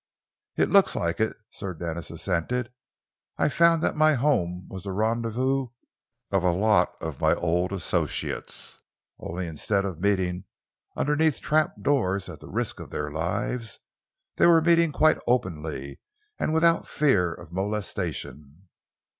"It looks like it," Sir Denis assented. "I found that my home was the rendezvous of a lot of my old associates, only instead of meeting underneath trapdoors at the risk of their lives, they were meeting quite openly and without fear of molestation.